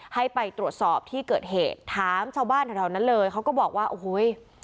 ให้ไปตรวจสอบที่เกิดเหตุถามชาวบ้านแถวนั้นเลยเขาก็บอกว่าโอ้โห